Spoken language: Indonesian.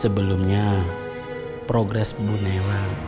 sebelumnya progres ibu nayla